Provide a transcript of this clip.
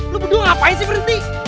lu berdua ngapain sih berhenti